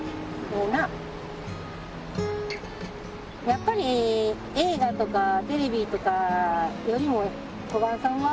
やっぱり映画とかテレビとかよりも小雁さんは。